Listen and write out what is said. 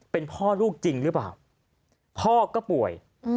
เป็นพ่อลูกจริงหรือเปล่าพ่อก็ป่วย